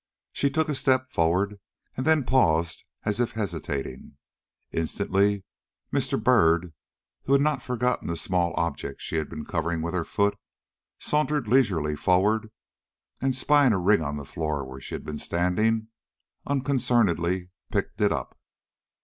She took a step forward and then paused as if hesitating. Instantly, Mr. Byrd, who had not forgotten the small object she had been covering with her foot, sauntered leisurely forward, and, spying a ring on the floor where she had been standing, unconcernedly picked it up.